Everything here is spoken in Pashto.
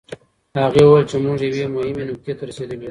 هغې وویل چې موږ یوې مهمې نقطې ته رسېدلي یوو.